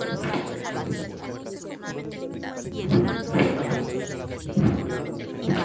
Está considera como la puerta de entrada a la región de la Sierra Tarahumara.